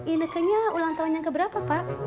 inekenya ulang tahunnya keberapa pak